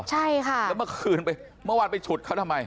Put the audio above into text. ใช่ค่ะแล้วเมื่อคืนไปเมื่อวานไปฉุดเขาทำไม